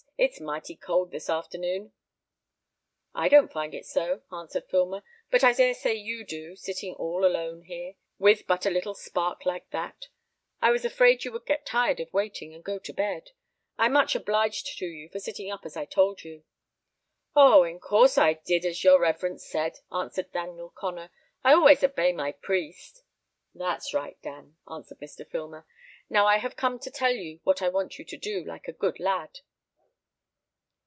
It's mighty cold this afternoon." "I don't find it so," answered Filmer; "but I dare say you do, sitting all alone here, with but a little spark like that. I was afraid you would get tired of waiting, and go to bed. I am much obliged to you for sitting up as I told you." "Oh! in course I did as your reverence said," answered Daniel Connor. "I always obey my priest." "That's right, Dan," answered Mr. Filmer. "Now I have come to tell you what I want you to do, like a good lad."